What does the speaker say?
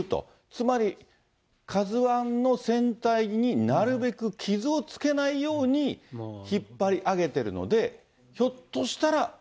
つまり、ＫＡＺＵＩの船体になるべく傷をつけないように引っ張り上げてるので、そうですね。